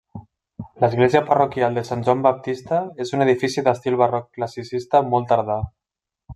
L'església parroquial de Sant Joan Baptista és un edifici d'estil barroc classicista molt tardà.